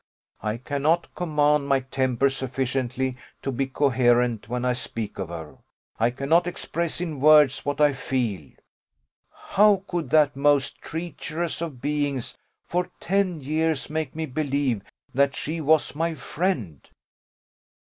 I cannot command my temper sufficiently to be coherent when I speak of her; I cannot express in words what I feel. How could that most treacherous of beings, for ten years, make me believe that she was my friend?